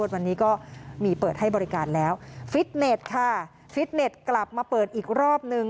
วันนี้ก็มีเปิดให้บริการแล้วฟิตเน็ตค่ะฟิตเน็ตกลับมาเปิดอีกรอบนึง